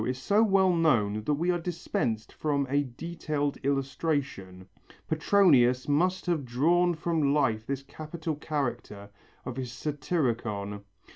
Trimalcho is so well known that we are dispensed from a detailed illustration. Petronius must have drawn from life this capital character of his Satyricon.